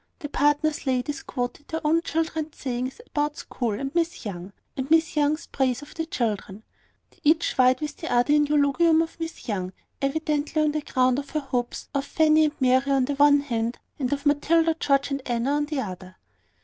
The partners' ladies quoted their own children's sayings about school and Miss Young, and Miss Young's praise of the children; and each vied with the other in eulogium on Miss Young, evidently on the ground of her hopes of Fanny and Mary on the one hand, and of Matilda, George, and Anna, on the other.